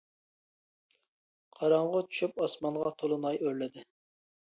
قاراڭغۇ چۈشۈپ ئاسمانغا تولۇن ئاي ئۆرلىدى.